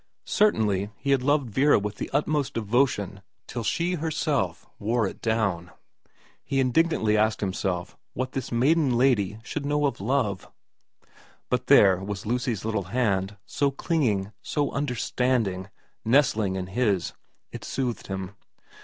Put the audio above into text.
Certainly he had loved Vera with the utmost devotion till she herself wore it down. He in dignantly asked himself what this maiden lady could know of love. But there was Lucy's little hand, so clinging, so understanding, nestling in his. It soothed him.